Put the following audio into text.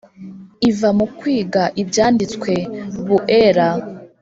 iva mukwiga ibyanditswe buera